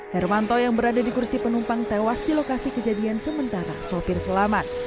hermanto yang berada di kursi penumpang tewas di lokasi kejadian sementara sopir selamat